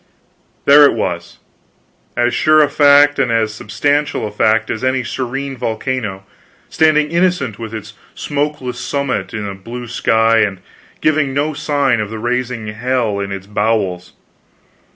There it was, as sure a fact and as substantial a fact as any serene volcano, standing innocent with its smokeless summit in the blue sky and giving no sign of the rising hell in its bowels.